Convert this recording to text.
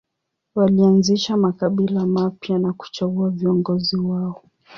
Walianzisha makabila mapya na kuchagua viongozi wao.